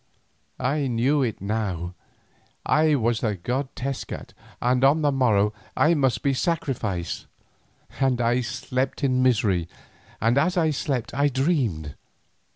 I knew it now, I was the god Tezcat, and on the morrow I must be sacrificed, and I slept in misery, and as I slept I dreamed.